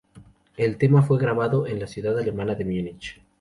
El tema fue grabado en la ciudad alemana de Múnich.